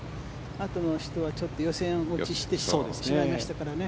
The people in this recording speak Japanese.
あとの人は予選落ちをしてしまいましたからね。